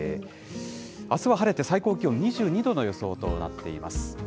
あすは晴れて最高気温２２度の予想となっています。